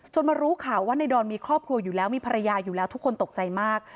มารู้ข่าวว่าในดอนมีครอบครัวอยู่แล้วมีภรรยาอยู่แล้วทุกคนตกใจมาก